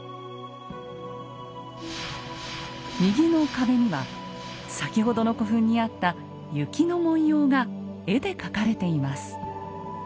右の壁には先ほどの古墳にあった靫の文様が絵で描かれています。